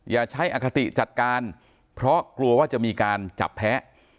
อย่าใช้อคติจัดการเพราะกลัวว่าจะมีการจับแพ้